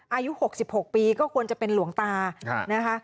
อายุ๖๖ปีก็ควรจะเป็นหลวงตานะคะ